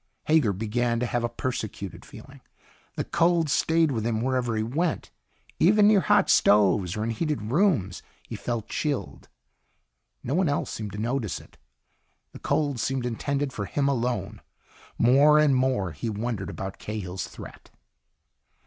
Hager began to have a persecuted feeling. The cold stayed with him wherever he went. Even near hot stoves, or in heated rooms, he felt chilled. No one else seemed to notice it. The cold seemed intended for him alone. More and more, he wondered about Cahill's threat.